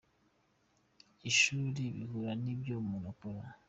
ishuri bihura n’ibyo umuntu akora.